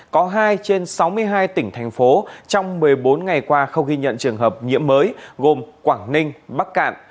có hai trên sáu mươi hai tỉnh thành phố trong một mươi bốn ngày qua không ghi nhận trường hợp nhiễm mới gồm quảng ninh bắc cạn